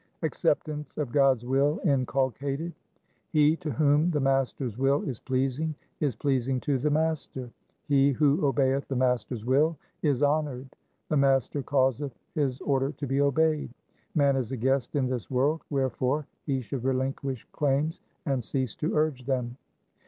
1 Acceptance of God's will inculcated :— He to whom the Master's will is pleasing, is pleasing to the Master. He who obeyeth the Master's will is honoured. The Master causeth his order to be obeyed. Man is a guest in this world. Wherefore he should relinquish claims and cease to urge them.